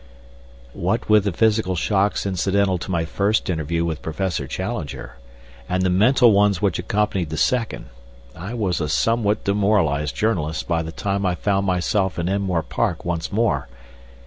What with the physical shocks incidental to my first interview with Professor Challenger and the mental ones which accompanied the second, I was a somewhat demoralized journalist by the time I found myself in Enmore Park once more.